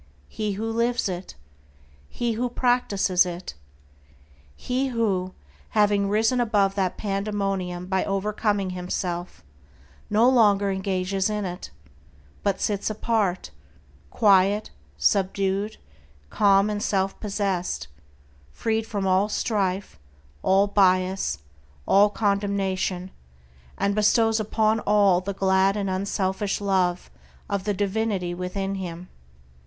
He who lives it. He who practices it. He who, having risen above that pandemonium by overcoming himself, no longer engages in it, but sits apart, quiet, subdued, calm, and self possessed, freed from all strife, all bias, all condemnation, and bestows upon all the glad and unselfish love of the divinity within him.